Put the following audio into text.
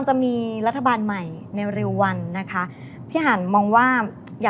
ทำสินทรัพย์ดิกัล